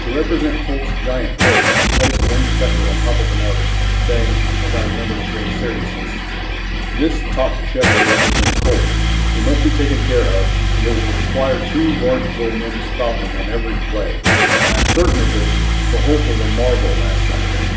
To represent Holt's giant build he placed one checker on top of another, saying, as I remember, with great seriousness: "This topped checker represents Holt. He must be taken care of, and it will require two Lawrenceville men to stop him on every play. I am certain of this for Holt was a marvel last Saturday."